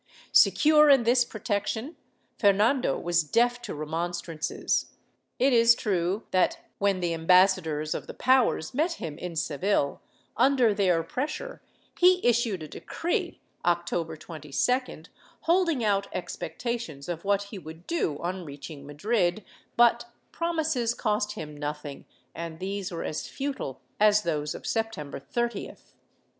Secure in this protection, Fernando was deaf to remonstrances. It is true that, when the ambassadors of the powers met him in Seville, under their pressure, he issued a decree, October 22d, > Ivoska Vayo, III, 159 64. Chap. I] CHATEAUBRIAND'S FAILURE 451 holding out expectations of what he would do on reaching Madrid, but promises cost him nothing and these were as futile as those of September 30th.